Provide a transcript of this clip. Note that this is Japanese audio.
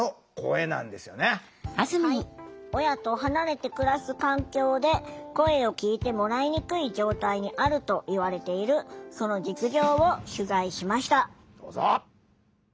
親と離れて暮らす環境で声を聴いてもらいにくい状態にあるといわれているその実情を取材しました。